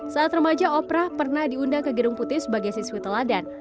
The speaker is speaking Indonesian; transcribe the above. saat remaja oprah pernah diundang ke gedung putih sebagai siswi teladan